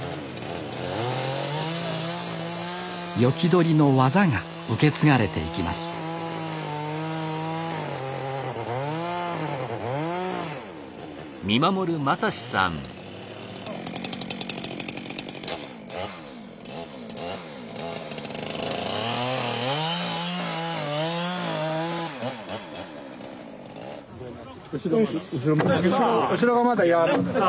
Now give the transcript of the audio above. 斧取りの技が受け継がれていきますエッサ！